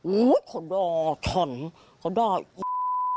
โอ้โฮเขาด่าฉันเขาด่าอี๋